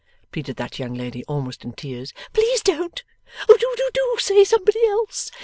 pleaded that young lady almost in tears. 'Please don't. Oh do do do say somebody else!